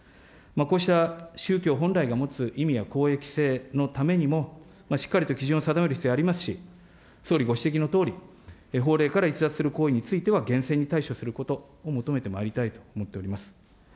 こうした宗教本来が持つ意味や公益性のためにも、しっかりと基準を定める必要ありますし、総理ご指摘のとおり、法令から逸脱する行為については、厳正に対処することを求めてまいりたいと思っております。